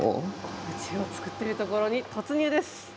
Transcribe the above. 宇宙を作ってるところに突入です。